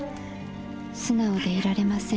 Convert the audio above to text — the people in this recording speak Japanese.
素直でいられません。